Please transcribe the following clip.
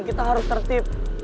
kita harus tertib